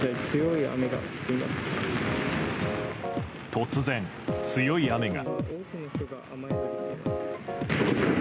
突然、強い雨が。